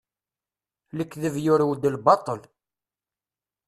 Lekdeb yurew-d lbaṭel.